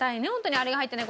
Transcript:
あれが入ってない